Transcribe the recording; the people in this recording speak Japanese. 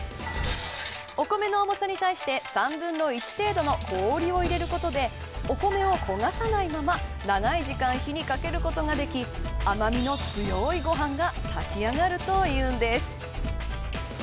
お米の重さに対して３分の１程度の氷を入れることでお米を焦がさないまま長い時間火にかけることができ甘みの強いご飯が炊き上がると言うんです。